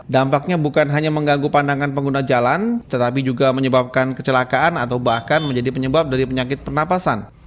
dampaknya bukan hanya mengganggu pandangan pengguna jalan tetapi juga menyebabkan kecelakaan atau bahkan menjadi penyebab dari penyakit pernapasan